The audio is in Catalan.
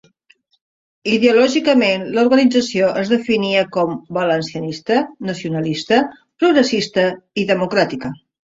Ideològicament l'organització es definia com valencianista, nacionalista, progressista i democràtica.